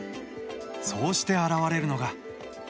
そうして現れるのが。